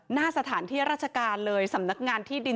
หน้าสถานที่ราชการเลยสำนักงานที่ดิน